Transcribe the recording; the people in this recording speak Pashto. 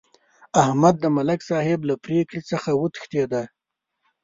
احمد د ملک صاحب له پرېکړې څخه وتښتېدا.